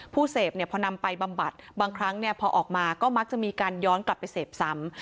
เสพเนี่ยพอนำไปบำบัดบางครั้งพอออกมาก็มักจะมีการย้อนกลับไปเสพซ้ำ